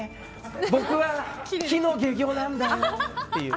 僕は、木の懸魚なんだよっていう。